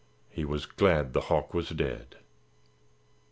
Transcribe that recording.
He was glad the hawk was dead.